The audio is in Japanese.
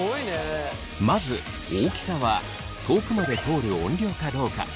まず大きさは遠くまで通る音量かどうか。